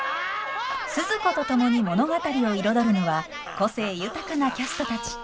スズ子と共に物語を彩るのは個性豊かなキャストたち。